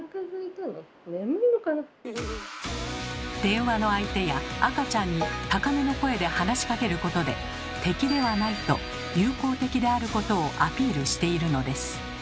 電話の相手や赤ちゃんに高めの声で話しかけることで「敵ではない」と「友好的」であることをアピールしているのです。